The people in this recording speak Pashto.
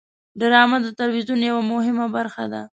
ډرامه د تلویزیون یوه مهمه برخه ده